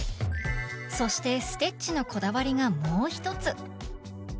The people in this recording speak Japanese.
そしてステッチのこだわりがもう一つ！